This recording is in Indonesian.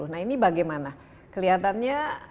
nah ini bagaimana kelihatannya